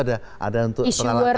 ada untuk peralatannya